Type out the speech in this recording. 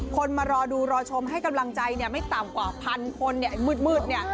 มารอดูรอชมให้กำลังใจเนี่ยไม่ต่ำกว่าพันคนเนี่ยไอ้มืดเนี่ย